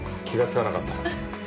気がつかなかった。